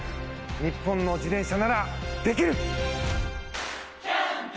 日本の自転車ならできる！